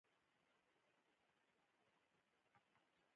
پسرلی د افغانستان د اقلیمي نظام ښکارندوی ده.